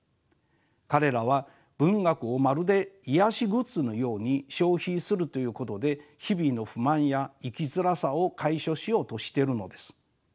彼らは文学をまるで癒やしグッズのように消費するということで日々の不満や生きづらさを解消しようとしてるのです。